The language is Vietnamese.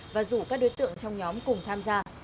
và rủ các đối tượng trong nhóm cùng tham gia